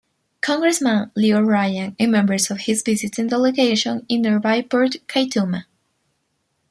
Congressman Leo Ryan and members of his visiting delegation in nearby Port Kaituma.